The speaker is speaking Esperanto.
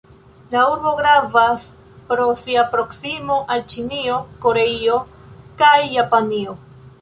La urbo gravas pro sia proksimo al Ĉinio, Koreio kaj Japanio.